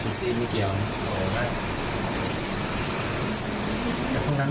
ขอคนเดียวลงมาได้แท็กซี่จากไม่เกี่ยว